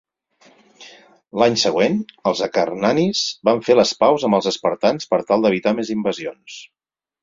L'any següent, els acarnanis van fer les paus amb els espartans per tal d'evitar més invasions.